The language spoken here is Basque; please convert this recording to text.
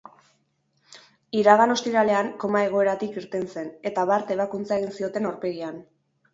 Iragan ostiralean koma egoeratik irten zen, eta bart ebakuntza egin zioten aurpegian.